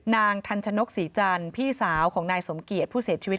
นางทันชนกศรีจันทร์พี่สาวของนายสมเกียจผู้เสียชีวิต